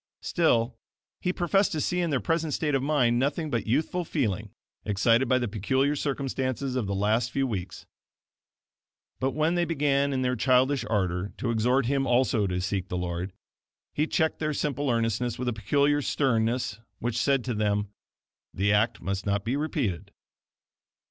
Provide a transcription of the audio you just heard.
Still, he professed to see in their present state of mind nothing but youthful feeling, excited by the peculiar circumstances of the last few weeks. But when they began in their childish ardor to exhort him also to seek the Lord, he checked their simple earnestness with a peculiar sternness which said to them: "The act must not be repeated."